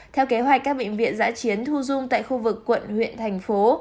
theo kế hoạch các bệnh viện giã chiến thu dung tại khu vực quận huyện thành phố